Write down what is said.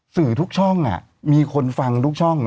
สื่อทุกช่องมีคนฟังทุกช่อง